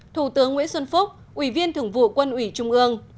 thủ tướng nguyễn xuân phúc ủy viên thường vụ quân ủy trung ương